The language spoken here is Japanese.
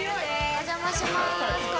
お邪魔します。